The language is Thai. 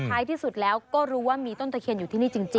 ท้ายที่สุดแล้วก็รู้ว่ามีต้นตะเคียนอยู่ที่นี่จริง